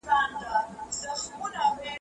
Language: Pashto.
انګلیسي ځواکونو د جګړې لپاره نوي پلانونه جوړ کړل.